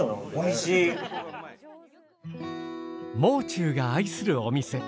もう中が愛するお店。